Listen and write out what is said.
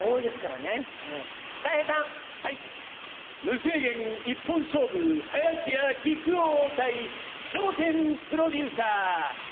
無制限１本勝負林家木久扇対笑点プロデューサー。